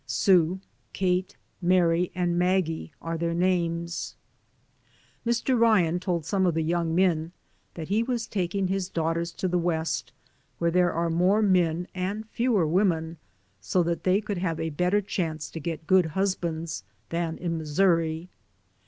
Sue, Kate, Mary and Maggie are their names. Mr. Ryan told some of the young men that he was taking his daughters to the west, where there are more men and fewer women, so they could have a better chance to get good husbands than in Mis souri.